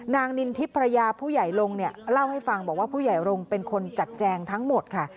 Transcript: นินทิพย์ภรรยาผู้ใหญ่ลงเนี่ยเล่าให้ฟังบอกว่าผู้ใหญ่รงค์เป็นคนจัดแจงทั้งหมดค่ะ